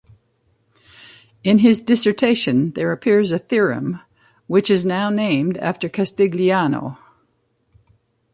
In his dissertation there appears a theorem which is now named after Castigliano.